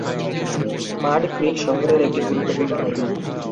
মাড Creek শহরের একটি গুরুত্বপূর্ণ নদী।